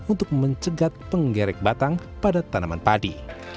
untuk mencegat penggerek batang pada tanaman padi